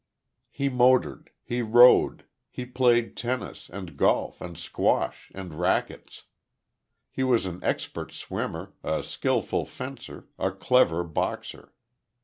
He motored. He rode. He played tennis, and golf, and squash, and racquets. He was an expert swimmer, a skilful fencer, a clever boxer.